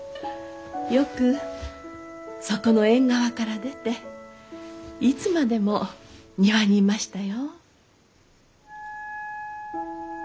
よくそこの縁側から出ていつまでも庭にいましたよ。